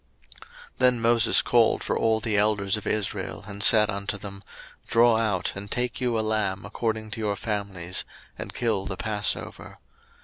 02:012:021 Then Moses called for all the elders of Israel, and said unto them, Draw out and take you a lamb according to your families, and kill the passover.